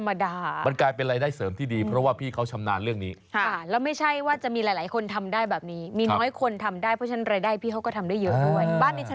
ธรรมดามันกลายเป็นรายได้เสริมที่ดีเพราะว่าพี่เขาชำนาญเรื่องนี้ค่ะแล้วไม่ใช่ว่าจะมีหลายหลายคนทำได้แบบนี้มีน้อยคนทำได้เพราะฉะนั้นรายได้พี่เขาก็ทำได้เยอะด้วยบ้านนี้ฉัน